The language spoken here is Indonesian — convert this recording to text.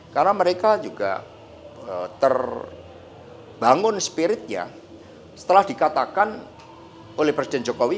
karena mereka juga terbangun spiritnya setelah dikatakan oleh presiden jokowi